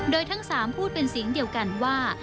โดยทั้ง๓พูดเป็นเสียงเดียวกันว่า